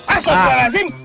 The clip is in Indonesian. aslo buah nasib